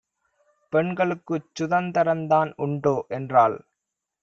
பெண்களுக்குச் சுதந்தரந்தான் உண்டோ? என்றாள்.